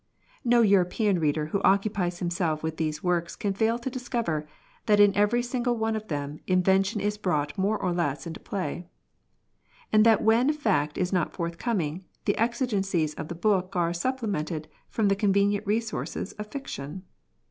No European reader who occupies himself with these works can fail to discover that in every single one of them invention is brought more or less into play ; and that when fact is not forthcoming, the exigencies of the book are supplemented from the convenient resources of fiction.